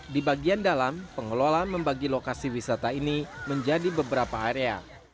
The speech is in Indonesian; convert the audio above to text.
di bagian dalam pengelola membagi lokasi wisata ini menjadi beberapa area